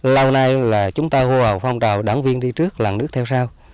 lâu nay là chúng ta hô hào phong trào đảng viên đi trước làng nước theo sau